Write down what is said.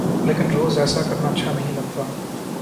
لیکن روز ایسا کرنا اچھا نہیں لگتا۔